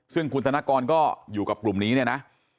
ซึ่งคุณธนกรก็อยู่กับกลุ่มนี้เนี่ยนะ